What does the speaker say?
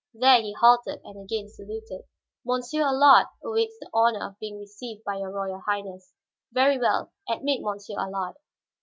There he halted and again saluted. "Monsieur Allard awaits the honor of being received by your Royal Highness." "Very well; admit Monsieur Allard."